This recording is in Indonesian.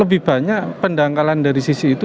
lebih banyak pendangkalan dari sisi itu